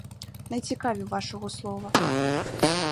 Не цікаві вашого слова.